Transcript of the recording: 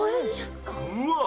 うわっ。